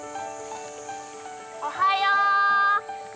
おはよう。